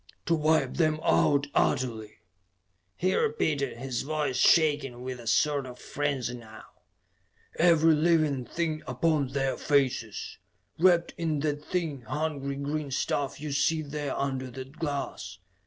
"To wipe them out utterly!" he repeated, his voice shaking with a sort of frenzy now. "Every living thing upon their faces, wrapped in that thin, hungry green stuff you see there under that glass.